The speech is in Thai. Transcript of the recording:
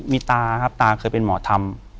มีตาครับตาเคยเป็นหมอธรรม